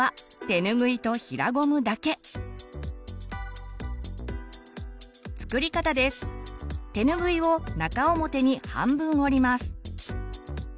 てぬぐいを中表に半分折ります。